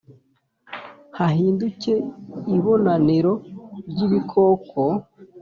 hahinduke ibonaniro ry’ibikoko.